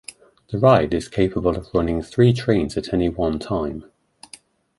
The ride is capable of running three trains at any one time.